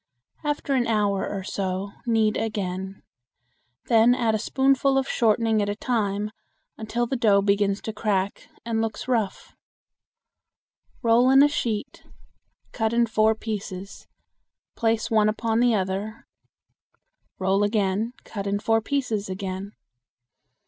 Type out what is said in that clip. After an hour or so knead again. Then add a spoonful of shortening at a time until the dough begins to crack and looks rough. Roll out in a sheet, cut in four pieces, place one upon the other, roll again, cut in four pieces again.